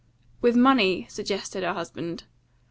"With money?" suggested her husband.